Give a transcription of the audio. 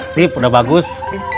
sip udah bagus